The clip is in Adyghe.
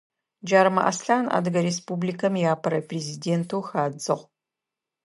Джарымэ Аслъан Адыгэ Республикэм иапэрэ президентэу хадзыгъ.